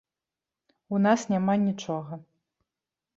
У нас няма нічога.